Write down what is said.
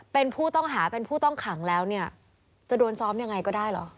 เป็นผู้ต้องหาเป็นผู้ต้องขังแล้วเนี่ยจะโดนซ้อมยังไงก็ได้เหรอ